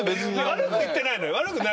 悪く言ってないのよ。